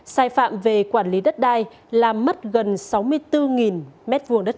sai phạm về quản lý đất đai làm mất gần sáu mươi bốn m hai đất